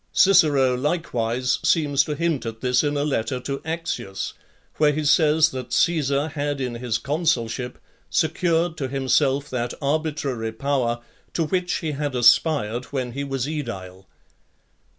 Cicero likewise seems to hint at this in a letter to Axius, where he says, that Caesar (7) had in his consulship secured to himself that arbitrary power to which he had aspired when he was edile.